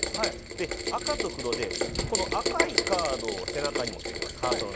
赤と黒でこの赤いカードを背中に持って行きます。